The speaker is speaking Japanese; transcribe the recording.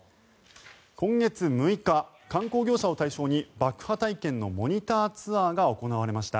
今月６日、観光業者を対象に爆破体験のモニターツアーが行われました。